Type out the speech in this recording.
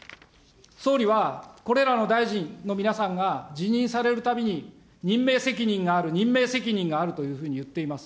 総理はこれらの大臣の皆さんが辞任されるたびに、任命責任がある、任命責任があるというふうに言っています。